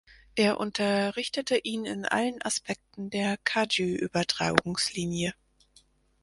Er unterrichtete ihn in allen Aspekten der Kagyü-Übertragungslinie.